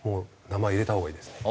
名前入れたほうがいいですね。